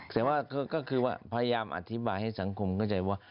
แต่ว่าก็คือว่าพยายามอธิบายให้สังคมเข้าใจว่า